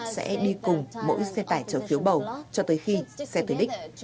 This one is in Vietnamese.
sẽ đi cùng mỗi xe tải chở phiếu bầu cho tới khi xe tới đích